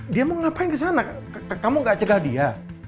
dia mau ngapain kesana kamu gak cegah dia